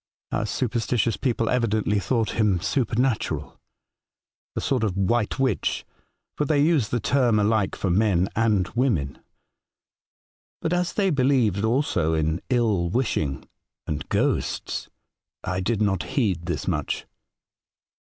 Our superstitious people evidently thought him supernatural, a sort of ' white witch,' for they use the term ahke for men and women ; but, as they believed also in ill wishing and ghosts, I did not heed this much.